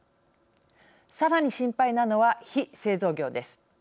さらに心配なのは非製造業です。